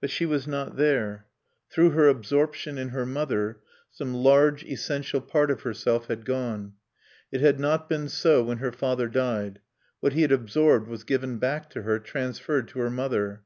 But she was not there. Through her absorption in her mother, some large, essential part of herself had gone. It had not been so when her father died; what he had absorbed was given back to her, transferred to her mother.